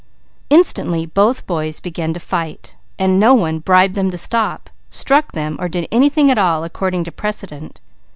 Instantly both boys began to fight. No one bribed them to stop, struck them, or did anything at all according to precedent.